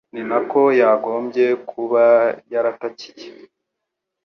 ni nako yagombye kuba yaratakiye Y